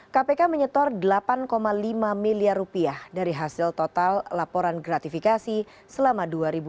kpk menyetor delapan lima miliar rupiah dari hasil total laporan gratifikasi selama dua ribu dua puluh